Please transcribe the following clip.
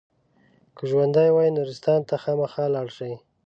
که ژوندي وئ نورستان ته خامخا لاړ شئ.